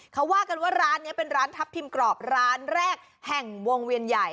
เขาว่ากันว่าร้านนี้เป็นร้านทัพทิมกรอบร้านแรกแห่งวงเวียนใหญ่